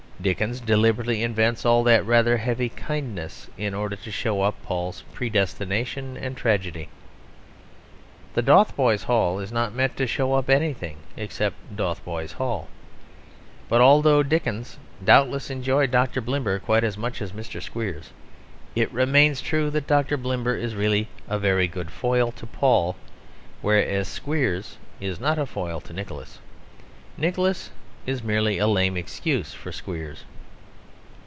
Dickens deliberately invents all that rather heavy kindness in order to show up Paul's predestination and tragedy. Dotheboys Hall is not meant to show up anything except Dotheboys Hall. But although Dickens doubtless enjoyed Dr. Blimber quite as much as Mr. Squeers, it remains true that Dr. Blimber is really a very good foil to Paul; whereas Squeers is not a foil to Nicholas; Nicholas is merely a lame excuse for Squeers.